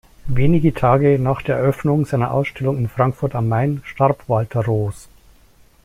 Wenige Tage nach der Eröffnung seiner Ausstellung in Frankfurt am Main starb Walter Roos.